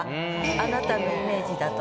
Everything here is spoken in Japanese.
あなたのイメージだと。